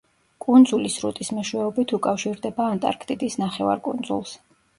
კუნძული სრუტის მეშვეობით უკავშირდება ანტარქტიდის ნახევარკუნძულს.